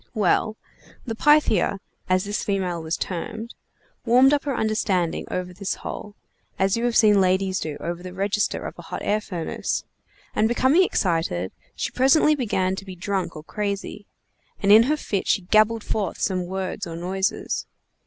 Well, the Pythia, as this female was termed, warmed up her understanding over this hole, as you have seen ladies do over the register of a hot air furnace, and becoming excited, she presently began to be drunk or crazy, and in her fit she gabbled forth some words or noises.